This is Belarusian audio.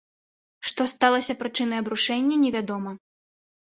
Што сталася прычынай абрушэння, невядома.